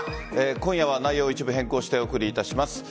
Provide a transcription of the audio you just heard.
今夜は内容を一部変更してお送りいたします。